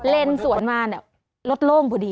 เลนสวนมาลดโล่งผู้ดี